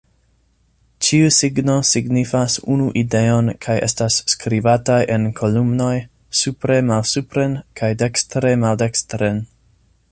Ĉiu signo signifas unu ideon kaj estas skribataj en kolumnoj, supre-malsupren kaj dekste-maldekstren.